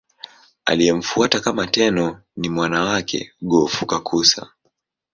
Aliyemfuata kama Tenno ni mwana wake Go-Fukakusa.